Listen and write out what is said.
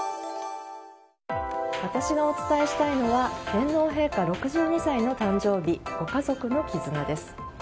私がお伝えしたいのは天皇陛下６２歳の誕生日ご家族の絆です。